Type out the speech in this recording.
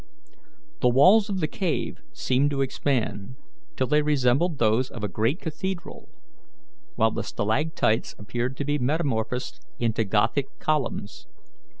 The walls of the cave seemed to expand, till they resembled those of a great cathedral, while the stalactites appeared to be metamorphosed into Gothic columns.